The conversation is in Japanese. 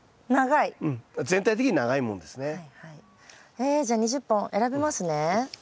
えじゃあ２０本選びますね。